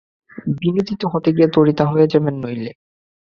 বিনোদিত হতে গিয়ে তড়িতাহত হয়ে যাবেন নইলে।